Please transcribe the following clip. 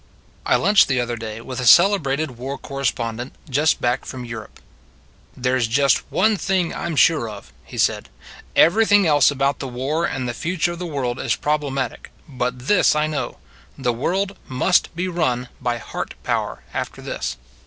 I lunched the other day with a cele brated war correspondent, just back from Europe. There s just one thing I m sure of," he said. " Everything else about the war and the future of the world is problemati cal. But this I know the world must be run by heart power after this.